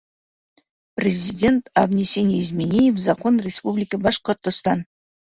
Президент О внесении изменений в Закон Республики Башкортостан